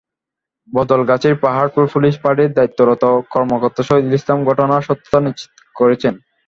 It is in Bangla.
বদলগাছির পাহাড়পুর পুলিশ ফাঁড়ির দায়িত্বরত কর্মকর্তা সহিদুল ইসলাম ঘটনার সত্যতা নিশ্চিত করেছেন।